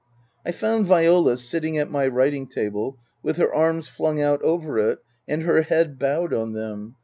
I found Viola sitting at my writing table, with her arms flung out over it and her head bowed on them.